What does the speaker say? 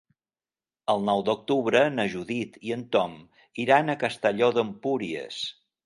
El nou d'octubre na Judit i en Tom iran a Castelló d'Empúries.